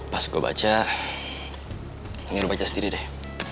pas gue baca ini lo baca sendiri deh